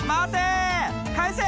かえせ！